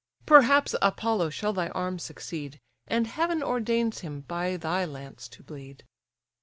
Perhaps Apollo shall thy arms succeed, And heaven ordains him by thy lance to bleed."